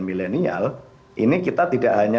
milenial ini kita tidak hanya